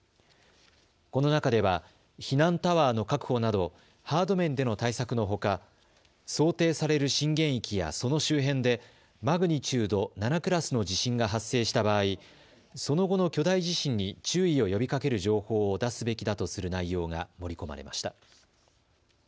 この中では、避難タワーの確保など、ハード面での対策のほか想定される震源域やその周辺で、マグニチュード７クラスの地震が発生した場合、その後の巨大地震に注意を呼びかける情報を出すべきだとする内容が盛り込まれました。